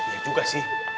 iya juga sih